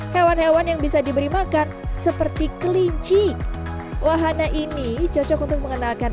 hewan hewan yang bisa diberi makan seperti kelinci wahana ini cocok untuk mengenalkan